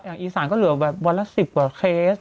อย่างอีสานก็เหลือวันละ๑๐กว่าเคส